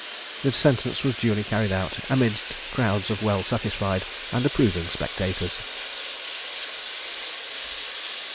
The sentence was duly carried out, amidst crowds of well satisfied and approving spectators.